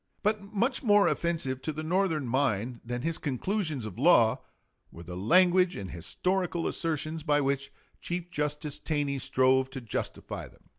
But much more offensive to the Northern mind than his conclusions of law were the language and historical assertions by which Chief Justice Taney strove to justify them.